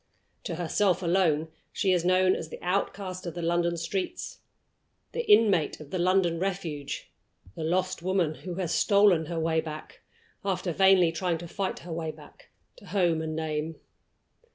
To herself alone she is known as the outcast of the London streets; the inmate of the London Refuge; the lost woman who has stolen her way back after vainly trying to fight her way back to Home and Name.